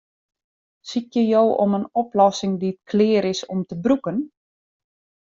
Sykje jo om in oplossing dy't klear is om te brûken?